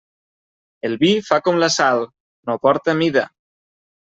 El vi fa com la sal: no porta mida.